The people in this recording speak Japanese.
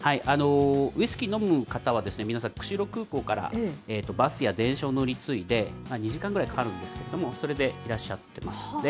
ウイスキー飲む方は皆さん、釧路空港からバスや電車を乗り継いで、２時間ぐらいかかるんですけれども、それでいらっしゃってますね。